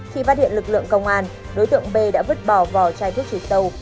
khi phát hiện lực lượng công an đối tượng b đã vứt bỏ vỏ chai thuốc trừ sâu